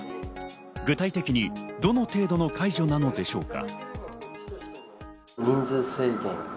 具体的にどの程度の解除なのでしょうか。